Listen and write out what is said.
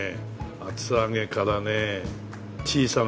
「厚揚げ」からね「小さながんも」。